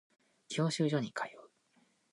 教習所に通う